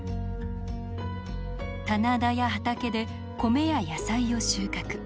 棚田や畑で米や野菜を収穫。